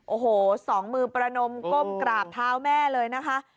โอ้โหสองมือประนมก้มกราบเท้าแม่เลยนะคะ